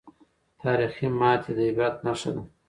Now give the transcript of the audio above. تاریخي ماتې د عبرت نښه ده.